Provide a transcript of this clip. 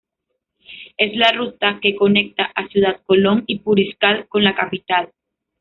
Es la ruta que conecta a Ciudad Colón y Puriscal con la capital.